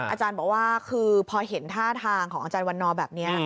อาจารย์บอกว่าคือพอเห็นท่าทางของอาจารย์วันนอแบบนี้